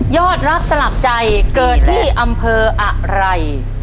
อดรักสลักใจเกิดที่อำเภออะไร